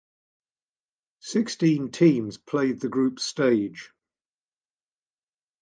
Sixteen teams played the group stage.